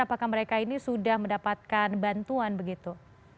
apakah mereka ini sudah mendapatkan bantuan begitu